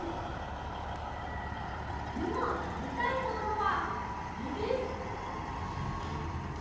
いまたべたいものはこれです。